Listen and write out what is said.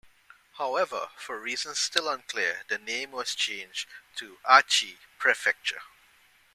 However, for reasons still unclear, the name was changed to Aichi Prefecture.